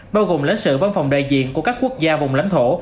bao gồm lãnh sự văn phòng đại diện của các quốc gia vùng lãnh thổ